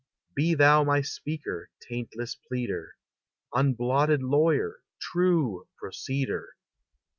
Be thou my speaker, taintless pleader, Unblotted lawyer, true proceeder!